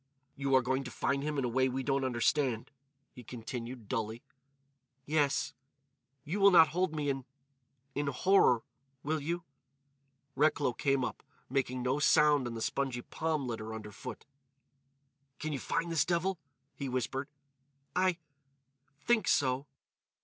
"You are going to find him in a way we don't understand," he continued, dully. "Yes.... You will not hold me in—in horror—will you?" Recklow came up, making no sound on the spongy palm litter underfoot. "Can you find this devil?" he whispered. "I—think so."